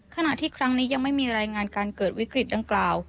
ขณะที่ครั้งนี้ยังไม่มีรายงานการเกิดวิกฤตดังกล่าว